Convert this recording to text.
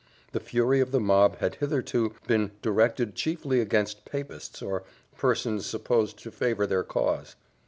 The fury of the mob had hitherto been directed chiefly against papists, or persons supposed to favour their cause.